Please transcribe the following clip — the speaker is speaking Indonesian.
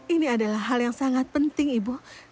ini adalah hal yang sangat penting ibu